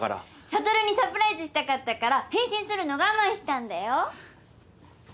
悟にサプライズしたかったから返信するの我慢したんだよ。